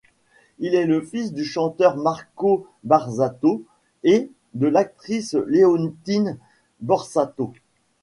Il est le fils du chanteur Marco Borsato et de l'actrice Leontine Borsato.